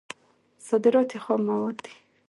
صادرات یې خام مواد دي.